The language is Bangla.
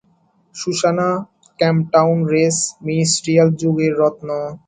সুসানা, "ক্যাম্পটাউন রেস" মিনিস্ট্রিয়াল যুগের রত্ন।